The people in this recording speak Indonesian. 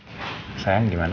aku hari ini yang kembali